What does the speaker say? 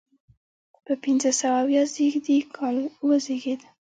په پنځه سوه اویا زیږدي کال وزیږېد.